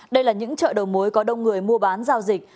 đây là những chợ đầu mối có đông người mua bán giao dịch